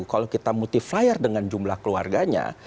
kalau kita multi flyer dengan jumlah keluarganya